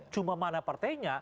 cuma mana partainya